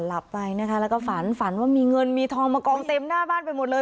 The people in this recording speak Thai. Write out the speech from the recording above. หลับไปนะคะแล้วก็ฝันฝันว่ามีเงินมีทองมากองเต็มหน้าบ้านไปหมดเลย